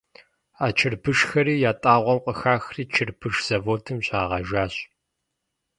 А чырбышхэри ятӏагъуэм къыхахри чырбыш заводым щагъэжащ.